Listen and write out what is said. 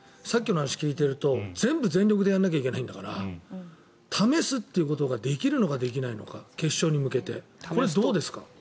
さっきの話を聞いていると全部全力でやらなきゃいけないんだから試すということができるのかできないのか決勝に向けてこれはどうですか。